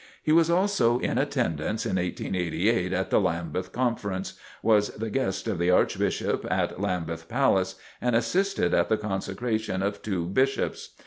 He was also in attendance, in 1888, at the Lambeth Conference, was the guest of the Archbishop at Lambeth Palace, and assisted at the consecration of two Bishops.